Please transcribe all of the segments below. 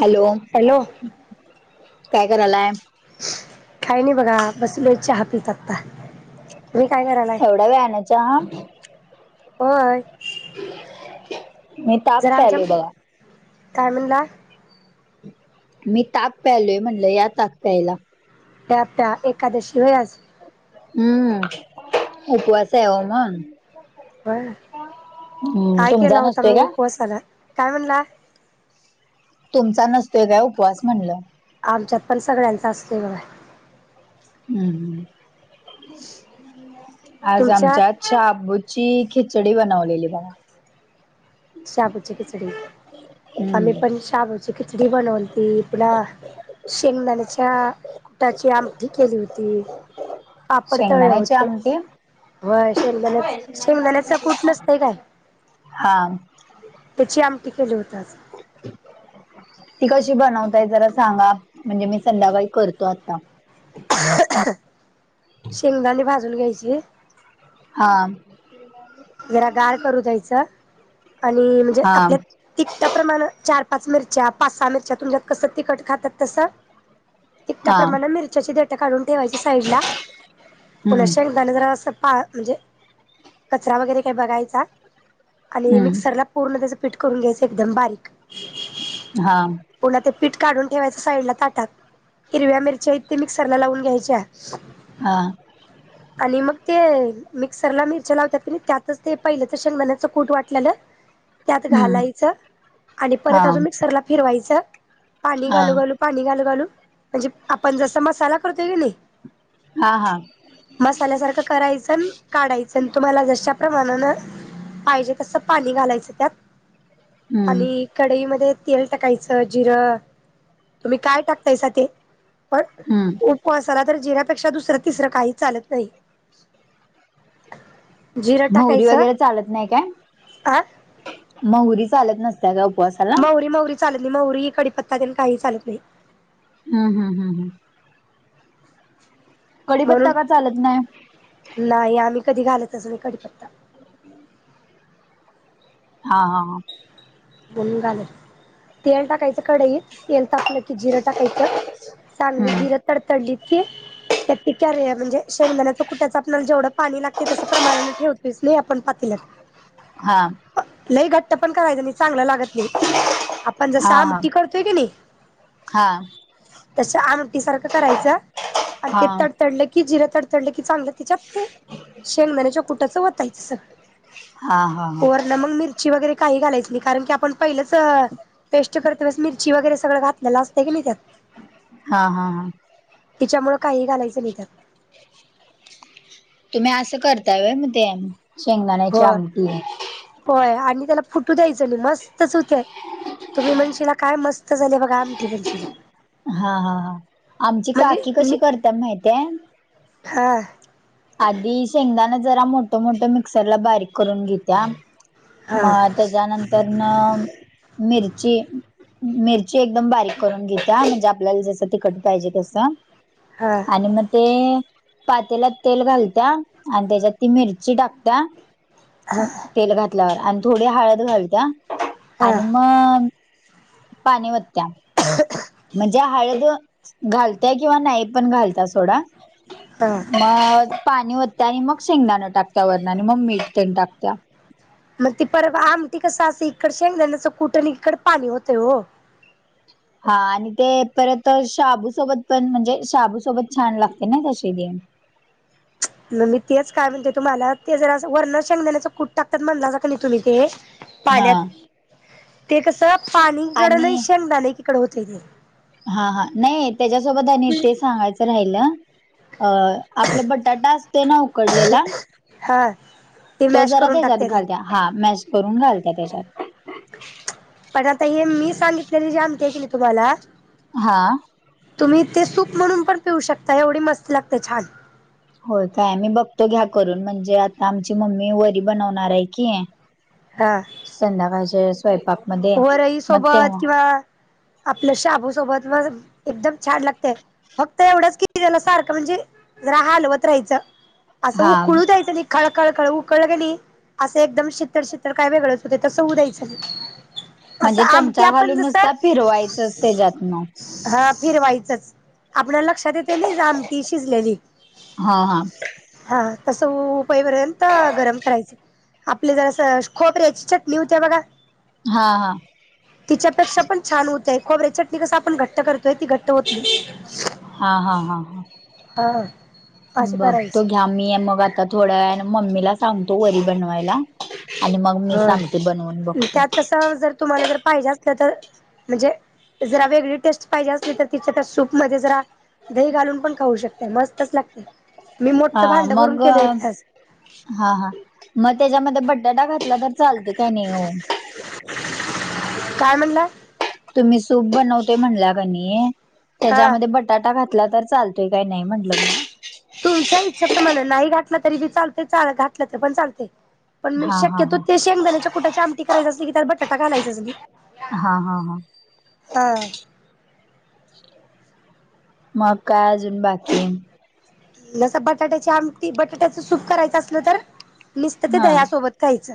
Hello hello काय करालाय काय नाही बघा बसलोय चहा पित आत्ता तुम्ही काय करायलाय एवढ्या वेळानं चहा होय मी ताक जरा आमचंम प्यायलोय बघा काय म्हणला मी ताक प्यायलोय म्हणलं या ताक प्यायला प्या प्या एकादशी वय आज हम्म उपवास हाय ओ मंग होय हम्म तुमचा नसतोय का कसाला काय म्हणला तुमचा नसतोय काय उपवास म्हणलं आमच्यात पण सगळ्यांचा असतोय गं बाय हम्म हम्म आज तुमच्यात आमच्याच शाबूची खिचडी बनवलेली बघा शाबूची खिचडी आम्ही हम्म पण शाबूची खिचडी बनवलती पुन्हा शेंगदाण्याच्या कुटाची आमठी केली होती पापड ताळलं शेंगदाण्याची होतं आमटी व्हय शेंगदाण्याच शेंगदाण्याचं कुट नसतंय काय हा त्याची आमटी केली होती आज ह ती कशी बनवताय जरा सांगा म्हणजे मी संध्याकाळी करतो आता शेंगदाणे भाजून घ्यायची हा शेंगदाणे जरा गार करू द्यायचं आणि म्हणजे हा आपल्यात तिकट्या प्रमाण चार पाच मिरच्या पाच सहा मिरच्या तुमच्यात कसं तिखट खातात तसं तिकट्या हा प्रमाणं मिरच्याची देटं काढून ठेवायची साईडला पुन्हा हम्म शेंग दाणं जरा असं पा म्हणजे कचरा वगैरे काय बघायचा आणि हम्म मिक्सरला पूर्ण त्याचं पीठ करून घ्यायचं एकदम बारीक हा पुन्हा ते पीठ काढून ठेवायचं साईड ला ताटात हिरव्या मिरच्या इतके मिक्सरला लावून घ्यायच्या हा आणि मग ते मिक्सरला मिरच्या लावत्यात कनी त्यातच ते पहिलं तर शेंगदाण्यात चं कूट वाटलेलं त्यात हम्म घालायचं आणि हा परत अजून मिक्सरला फिरवायचं पाणी हा घालू घालू पाणी घालू घालू म्हणजे आपण जसा मसाला करतोय का नाही हा हा मसाल्यासारखं करायचं न काढायचं न तुम्हाला जर अशा प्रमाणानं, पाहिजे तसं पाणी घालायचं त्यात. हम्म आणि कढईमध्ये तेल टाकायचं. जिरं. तुम्ही काय टाकतायसा ते? पण हम्म ऊपवासाला तर, जिऱ्यापेक्षा दुसरं- तिसरं काही चालत नाही. जिरं महुरी टाकायचं वगैरे चालत नाही काय? आ महुरी चालत नसत्याय का उप मौरी- मौरी चालत नाही. मौरी, कडीपत्ता त्यान काही चालत नाही. हम्म, हम, हम्, हम. म्हणून कडीपत्ता का चालत नाही? नाही. आम्ही कधी घालतच नाही कडीपत्ता. [inaudible] हा, हा, हा. मनून घालत. तेल टाकायचं कढईत. तेल ताप पलं की, जिरं टाकायचं. चांगली हम्म जिरं तडतडली ते त्यात क्यारे म्हणजे, शेंगदाण्याचं कुट्याचं आपल्याला जेवढं पाणी लागतय तसं, प्रमाणाने ठेवतोच नाही आपण पातीलात. हा. लई घट्ट पण करायचं नाही. चांगलं लागत नाही. आपण जसं, हा हा आमटी करतोय कीनई हा तसं आमटी सारखं करायचं. अन् हा हा ते तडतडलं कि, जिरं तडतडलं की, चांगलं तीच्यात ते, शेंगदाण्याच्या कुटाचं वतायचं सगळं. हा, हा, हा. लमंग, मिरची वगैरे, काही घालायच नाही. कारण की, आपण पहिलंचं पेस्ट करतानच मिरची वगैरे, सगळं घातलेलं असतं की नाही त्यात. हा, हा, हा. तीच्यामूळं काहीही घालायचं नाही त्यात. तुम्ही असं करताय व्हय, मग ते. शेंगदाण्याची आमटी. व्हय. आणि त्याला फुटू द्यायचं नाही. मस्तच होत्याय. तुम्ही म्हणशीला, काय मस्त झालेय बघा आमटी, म्हणशीला. हा, हा, हा. आमची काकी, कशी म्हणजे करतेया माहित्याय? हा आधी, शेंगदानं जरा मोठं- मोठं मिक्सरला बारीक करून घेत्या हा म त्याज्यानंतरनं मिरची, मिरची एकदम बारीक करून घेत्या. मग आपल्याला जसं तिकट पाहिजे तसं हा. आणि म ते पातेल्यात तेल घालत्या. आन् त्याज्यात ती मिरची टाकत्या हा. तेल घातल्यावर. आन थोडी हळद घालत्या. हा आणि मग पाणी वतत्या. [inaudible] म्हणजे हळद, घालत्याय किंवा नाही. पण घालत्या, सोडा. हा अ पाणी ओतत्या आणि मग शेंगदाण टाकत्या वरणं. अन् म मीठ तेण टाकत्या. म ती परत आमटी कसं, असं इकड शेंगदाण्याचा कुट आणि एकीकडं पाणी होतंय ओ. हा आणि ते परत शाबूसोबत पण म्हणजे, शाबूसोबत छान लागते ना, तशी तेन. म मी तेच काय म्हणते तुम्हाला. ते जर असं, वरण शेंगदाण्याचं कूट टाकतात म्हणलाजा का नाही, तुम्ही ते हा पाण्यात. ते कसं, पाणी एकीकड आणि अन शेंगदानं एकीकडे होतय ते. हा, हा. नाही त्याच्यासोबत आणि एक ते सांगायचं राहिलं अ, आपला बटाटा असतोय ना, उकडलेला. ह. तो जरा त्याच्यात घालत्या, हा मॅश करून घालत्या, त्याच्यात. पण आता हे मी सांगितलेली, जी आमटीय की नही तुम्हाला? हा. तुम्ही, ते सूप म्हणून पण पिऊ शकता, एवडी मस्त लागत, छान. होय काय? मी बघतो, घ्या करून, म्हणजे आता आमची मम्मी, वरी बनवणारे की. हा. संध्याकाळच्या वेळेस, स्वयंपाक मध्ये वरई मग सोबत तेव्हा किंवा आपलं शाबूसोबत, म [inaudible] एकदम छान लागत. फक्त एवढंच की, त्याला सारखं, म्हणजे जरा हालवत राहायचं, असं हा उकळू द्यायचं नही. खळखळखळ उकळं क नही, असं एकदम शितळ- शितळ काय वेगळंच होतय, तसं होउ द्यायचं नही. असं म्हणजे आमटी, चमचा आपण घालून जसं नुसता फिरवायचंच त्याच्यातन हां, फिरवायचच, आपल्या लक्षात येत त्यानी ज आमटी शिजलेली, हा हा हा तस होउ ईपर्यंत गरम करायच, आपले जरा अस, खोबऱ्याची चटणी होत्या बघा? हा हा. तिच्यापेक्षा पण छान होतय, खोबऱ्याची चटणी कस आपण, घट्ट करतोय, ती घट्ट होत नही. हा हा हा हा. हां. बघतो घ्या, मी मग आता थोड्या वेळान, मम्मीला सांगतो, वरी बनवायला. आणि मग मी ह सांगते बनवून बघतो त्यात कस, जर तुम्हाला, जर पाहिजे असल्या तर म्हणजे जरा वेगळी टेस्ट पाहिजे असली, तर तिच्या त्या सूप मध्ये जरा दही घालून पण खाऊ शकतताय, मस्तच लागते, मी अ मोठं भांड भरून मग केले होते आज. हा हा, मग त्याच्यामध्ये बटटा घातला, तर चालतोय काय नही ओ. काय म्हणलं? तुम्ही सूप बनवते, म्हणला क नई, हा त्याच्यामध्ये बट टाटा घातला, तर चालतोय काय नई?, म्हटलं ग तुमच्या इच्छाप्रमाण, नाही घातलं तरी बी चालत, चाल- घातलं तर पण चालतय. पण मी हा हा शक्यतो, हा ते शेंगदाण्याच्या कुटाची आमटी करायच असली की, त्यात बटाटा घालायचाच [unintelligible] हां हां हां. हां. मग काय, अजून बाकी? लस बटाट्याची आमटी, बटाट्याच सूप करायचं असलं, तर निसत ते दह्यासोबत यचं.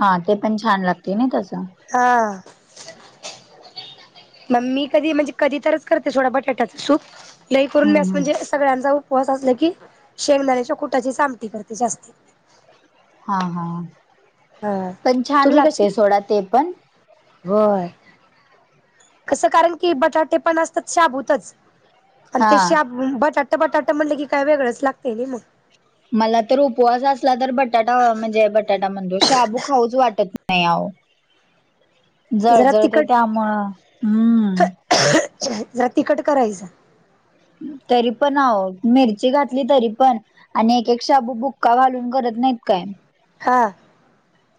हां, ते पण छान लागतय, नाई का असं हा. मग, मी कधी, म्हणजे कधी तरच करते, थोडा बटाट्याचं सूप, लई करून हम्म मी अस, हम्म म्हणजे सगळ्यांचा उपवास असला की, शेंगदाण्याच्या कुटाचीच आमटी करते, जास्ती. हां हां, हा पण छान तुम्ही कशी लागते, सोडा ते पण होय? कस कारण की, बटाटे पण असतात शाबूतच, अन ते हा शाब बटाटं -बटाटं म्हणलं की, काय वेगळंच लागतय नई म. मला तर उपवास असला, तर बटाटा, म्हणजे बटाटा म्हणतो, शाबू खाऊच वाटत नही, आआो. जरा जळ-जळ, ते तिखट त्यामुळं हम्म. जरा तिखट करायचं.? तरी पण मिरची घातली तरी पण. आणि एक एक शाबू बुक्का घालून करत नाहीत काय? हां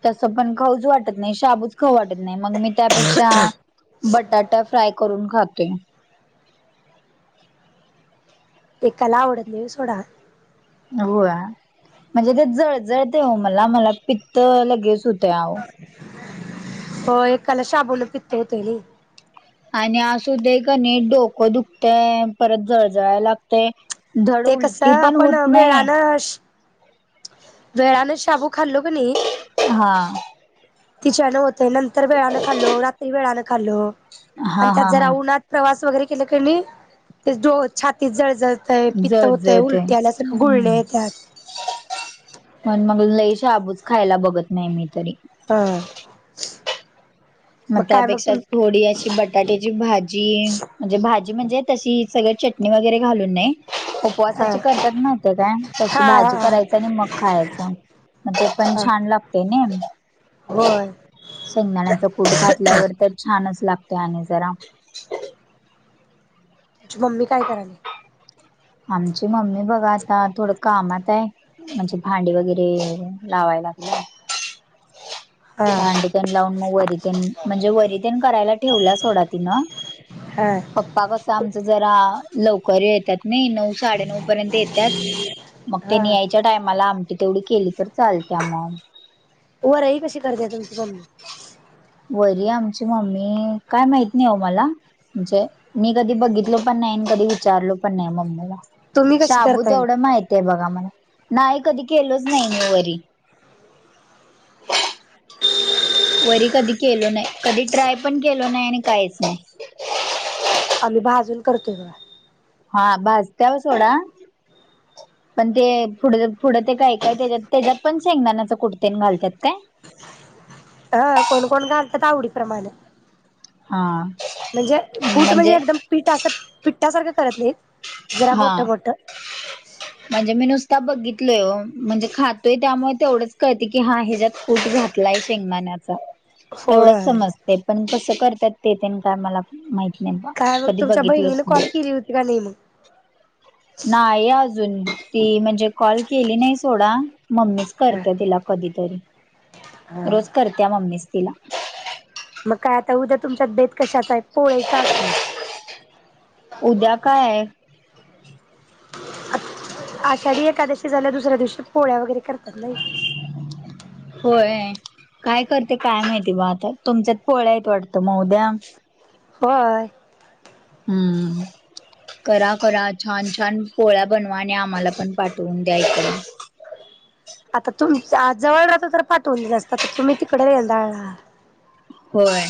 तसं पण खाऊच वाटत नाही शाबूच खाऊ वाटत नाही मग मी त्यापेक्षा. बटाटा फ्राय करून खाते.? एकाला आवडत नाही सोडा. हो म्हणजे ते जळजळते हो मला मला पित्त लगेच होतं. हो एकाला शाबुलं पित्त होते ना. [unintelligible] आणि अस कणी डोकं दुखतय परत जळजळायला लागतेय. ते कसं आपण वेळानं, वेळानं शाबू खाल्लो क नाही. हा? तिच्यानं होतं नंतर वेळाानं खाल्लो रात्री वेळाानं खाल्लो हा आणि त्यात हा जरा हा उन्हात.. प्रवास वगैरे केले कणी ते डो छातीत जय जळजळते. य पित्त होतय उलट्या आल्यासारखं गुळण्या येतात. मण मग शाबूत. खायला बघत नाही मी तरी. हा? मग त्यापेक्षा थोडी अशी बटाट्याची भाजी, म्हणजे भाजी म्हणजे. तशी सगळ चटणी वगैरे घालून नाही. हा उपवासाची करतात माहिती काय तशी हा भाजी हा करायच आणि मग खायचं. मग ते पण हा छान लागते ना. होय? शेंगदाण्याचा कूट घातल्यावर तर छानच लागते आणि जरा, म्हे मम्मी. आमची मम्मी बघा आता थोडं कामात आहे? म्हणजे भांडी लागले. हा अांडीतन लावून मग वरतन म्हणजे वरतन करायला ठेवला सोडा तिन. हा. पप्पा कस आमच जरा, लवकर येतात नाही नऊ साडे नऊ पर्यंत येतात? मग ते हा याय च्या टायमाला आमटी तेवढी केली तर चालते आ म, व राही कशी करते आहे तुमची मम्मी. वरी आमची मम्मी काय माहित नाही हो मला. म्हणजे मी कधी बघितलो पण नाही आणि कधी विचारलो पण नाही मम्मीला. तुम्ही कशी शाबू करताय तेवढं माहित आहे बघा मला नाही कधी केलच नाही मी वरी. वरी कधी केलो नाही. कधी ट्राय पण केलो नाही आणि काहीच नाही? आम्ही भाजून करतोय ब. हा भाजत व सोडा पण ते पुढे, पुढं ते काय काय त्याच्यात त्याच्यात पण शेंगदाणाच कुडतेन घालतात काय? हा कोण कोण घालतात आवडीप्रमाणे, हा? म्हणजे कुठ म्हणजे एकदम पीठ असं पिठठासारखं करत नाही? जरा हा मोठं मोठं. [unintelligible] म्हणजे मी नुसता बघितलोय म्हणजे खातोय त्यामुळे तेवढंच कळते की हा ह्याच्यात कूटातो. नाही शेंगदाणेचा एवढच होय समजते पण कस करतात ते तेन काय मला माहित नाही बा काय मग कधी तुमच्या बघितलंच बहिणीने नाही. [unintelligible] होती का नाही. नाही अजून ती म्हणजे कॉल केली नाही सोडा, मम्मीच ह करते तिला कधीतरी. हा रोज करत्या मम्मीच तिला. मग काय आता उद्या तुमच्यात कशाच आहे पोळी चा असेल. उद्या काय आहे. आषाढी एकादवशी झाल्या दुसऱ्या दिवशी पोळ्या वगैरे करतात नाही. होय काय करते काय माहितीय ब आता तुमच्यात पोळ्या आहेत वाटतं ऊद्या. होय. हम्म करा करा छान छान पोळ्या बनवा आणि आम्हाला पण पाठवून द्या इकडे. आता तुमच जवळ रात पाठवून दिलं असत तर तुम्ही तिकडे रेदाळ ला. होय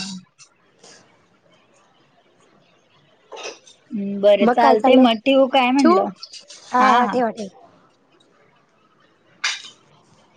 बरं मग काय चालते चाललंय मग ठेवू काय म्हणलं. हा हा ह [inaudible] ह [inaudible]